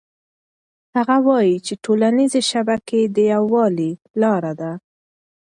هغه وایي چې ټولنيزې شبکې د یووالي لاره ده.